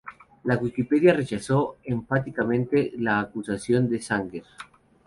La Wikipedia rechazó enfáticamente la acusación de Sanger.